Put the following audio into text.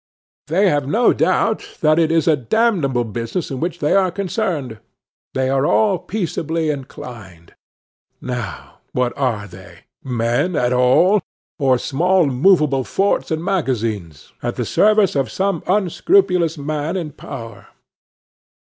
They have no doubt that it is a damnable business in which they are concerned; they are all peaceably inclined. Now, what are they? Men at all? or small movable forts and magazines, at the service of some unscrupulous man in power?